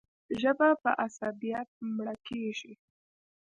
ژبه په عصبیت مړه کېږي.